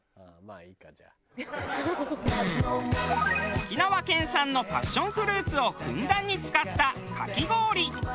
沖縄県産のパッションフルーツをふんだんに使ったかき氷。